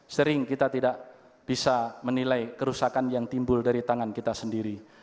sering kita tidak bisa menilai kerusakan yang timbul dari tangan kita sendiri